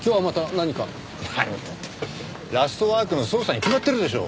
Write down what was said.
何って『ラストワーク』の捜査に決まってるでしょ。